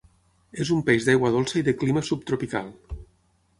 És un peix d'aigua dolça i de clima subtropical.